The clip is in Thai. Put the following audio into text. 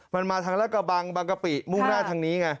มันมาทางรัฐกระบังบางกะปิมุ่งหน้าทางนี้ไง